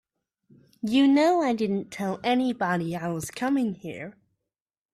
You know I didn't tell anybody I was coming here.